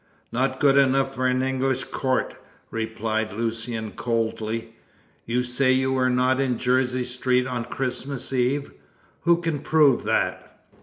"Not good enough for an English court," replied Lucian coldly. "You say you were not in Jersey Street on Christmas Eve. Who can prove that?"